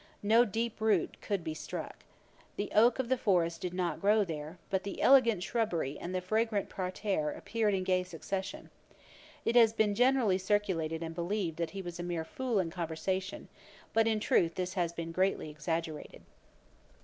No deep root could be struck. The oak of the forest did not grow there; but the elegant shrubbery and the fragrant parterre appeared in gay succession. It has been generally circulated and believed that he was a mere fool in conversation; but, in truth, this has been greatly exaggerated.